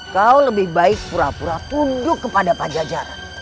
kau lebih baik pura pura tunduk kepada pajajaran